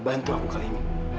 bantu aku kali ini